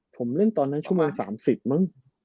ผมเล่นตอนนั้นชั่วโมง๓๐มั้ง